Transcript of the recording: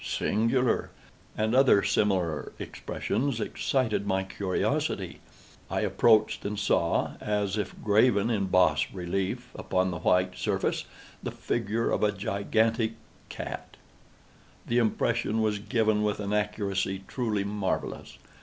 "singular!" and other similar expressions, excited my curiosity. I approached and saw, as if graven in bas relief upon the white surface, the figure of a gigantic cat. The impression was given with an accuracy truly marvellous.